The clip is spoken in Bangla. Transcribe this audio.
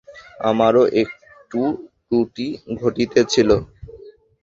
আমারও একটু ত্রুটি ঘটিতেছিল।